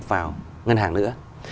vào ngân hàng nữa